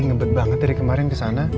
ngebet banget dari kemarin ke sana